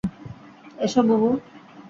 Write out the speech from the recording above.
এসো, বুবু।